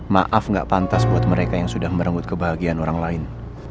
maaf gak pantas buat mereka yang sudah merenggut kebahagiaan orang lain